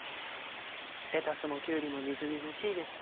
レタスもきゅうりもみずみずしいですね。